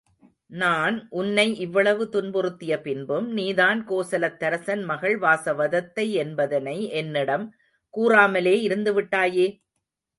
நான் உன்னை இவ்வளவு துன்புறுத்திய பின்பும், நீதான் கோசலத்தரசன் மகள் வாசவதத்தை என்பதனை என்னிடம் கூறாமலே இருந்து விட்டாயே?